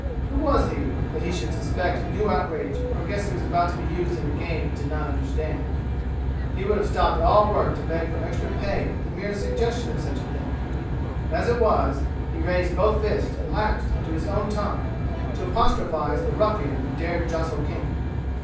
Who was he, that he should suspect new outrage or guess he was about to be used in a game he did not understand? He would have stopped all work to beg for extra pay at the merest suggestion of such a thing; but as it was he raised both fists and lapsed into his own tongue to apostrophize the ruffian who dared jostle King.